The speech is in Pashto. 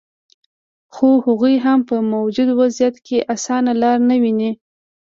خو هغوي هم په موجوده وضعیت کې اسانه لار نه ویني